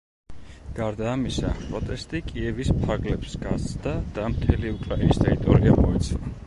გარდა ამისა, პროტესტი კიევის ფარგლებს გასცდა და მთელი უკრაინის ტერიტორია მოიცვა.